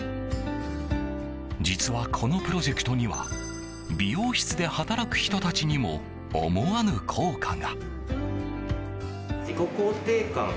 実は、このプロジェクトには美容室で働く人たちにも思わぬ効果が。